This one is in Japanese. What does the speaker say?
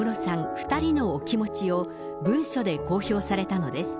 ２人のお気持ちを文書で公表されたのです。